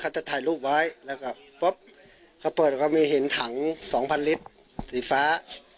จะถ่ายรูปไว้แล้วก็ปุ๊บเขาเปิดเขามีเห็นถังสองพันลิตรสีฟ้า